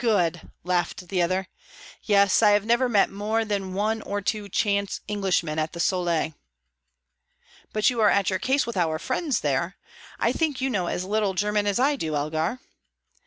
Good!" laughed the other. "Yes, I have never met more than one or two chance Englishmen at the 'Sole.'" "But you are at your ease with our friends there. I think you know as little German as I do, Elgar?"